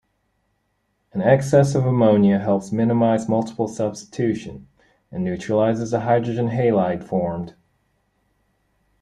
An excess of ammonia helps minimise multiple substitution, and neutralises the hydrogen halide formed.